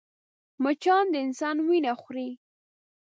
مچان د انسان وينه خوري